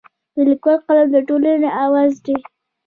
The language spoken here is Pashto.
د لیکوال قلم د ټولنې اواز دی.